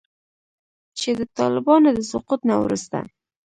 چې د طالبانو د سقوط نه وروسته